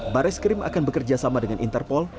baris krim akan bekerja sama dengan interpol